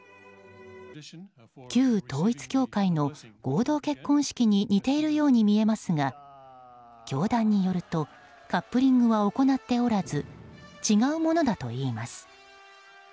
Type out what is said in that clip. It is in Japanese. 旧統一教会の合同結婚式に似ているように見えますが教団によるとカップリングは行っておらず違うものだといいます。